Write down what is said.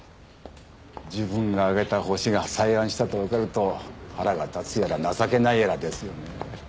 自分が挙げたホシが再犯したと分かると腹が立つやら情けないやらですよね